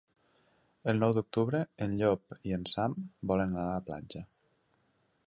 El nou d'octubre en Llop i en Sam volen anar a la platja.